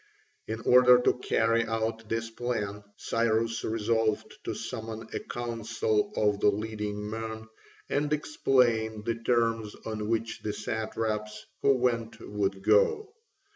In order to carry out this plan, Cyrus resolved to summon a council of the leading men and explain the terms on which the satraps who went would go.